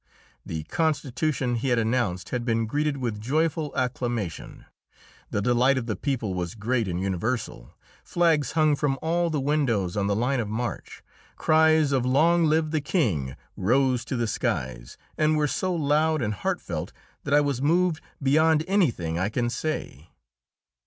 The constitution he had announced had been greeted with joyful acclamation; the delight of the people was great and universal. Flags hung from all the windows on the line of march. Cries of "Long live the King!" rose to the skies, and were so loud and heartfelt that I was moved beyond anything I can say.